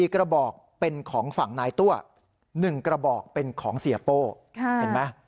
กระบอกเป็นของฝั่งนายตั้ว๑กระบอกเป็นของเสียโป้เห็นไหม